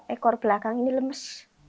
ekor belakang ini lemes